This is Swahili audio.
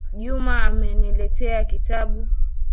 Juma ameniletea kitabu.